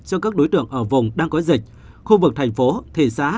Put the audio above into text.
cho các đối tượng ở vùng đang có dịch khu vực thành phố thị xã